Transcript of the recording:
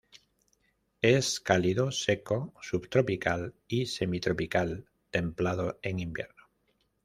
Es cálido seco subtropical y semitropical, templado en invierno.